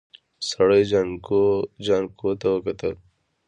سړي جانکو ته وکتل.